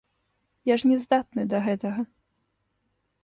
Я ж не здатны да гэтага.